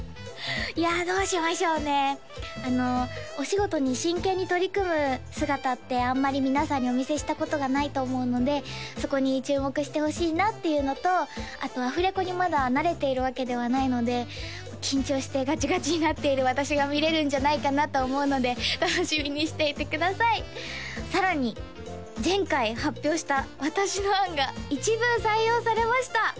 いやどうしましょうねお仕事に真剣に取り組む姿ってあんまり皆さんにお見せしたことがないと思うのでそこに注目してほしいなっていうのとあとアフレコにまだ慣れているわけではないので緊張してガチガチになっている私が見れるんじゃないかなと思うので楽しみにしていてくださいさらに前回発表した私の案が一部採用されました